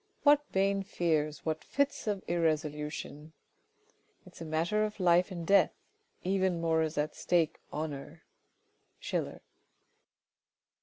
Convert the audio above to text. What vain fears, what fits of irresolution ! It is a matter of life and death — even more is at stake honour !— Schiller.